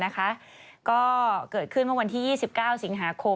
ก็เกิดขึ้นเมื่อวันที่๒๙สิงหาคม